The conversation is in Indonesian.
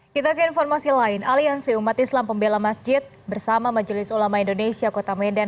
kita ke informasi lain aliansi umat islam pembela masjid bersama majelis ulama indonesia kota medan